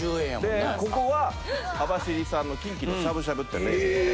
でここは網走産のきんきのしゃぶしゃぶって名物が。